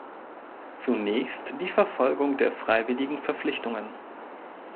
Zunächst die Verfolgung der freiwilligen Verpflichtungen.